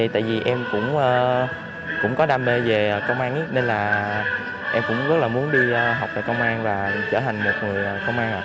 tại vì em cũng có đam mê về công an nên là em cũng rất là muốn đi học về công an và trở thành một người công an